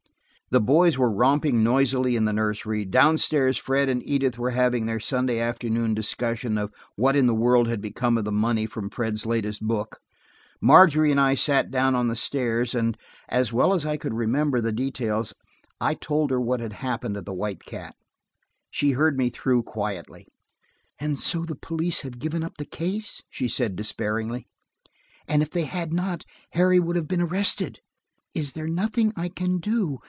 The boys were romping noisily in the nursery. Down stairs Fred and Edith were having their Sunday afternoon discussion of what in the world had become of the money from Fred's latest book. Margery and I sat down on the stairs, and, as well as I could remember the details, I told her what had happened at the White Cat. She heard me through quietly. "And so the police have given up the case!" she said despairingly. "And if they had not, Harry would have been arrested. Is there nothing I can do?